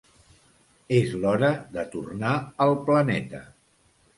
És l’hora de tornar al planeta!